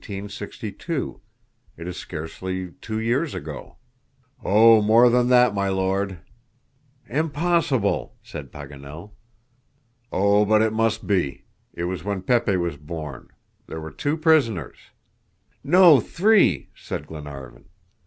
It is scarcely two years ago." "Oh, more than that, my Lord." "Impossible!" said Paganel. "Oh, but it must be. It was when Pepe was born. There were two prisoners." "No, three!" said Glenarvan.